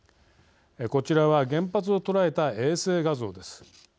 こちらは原発を捉えた衛星画像です。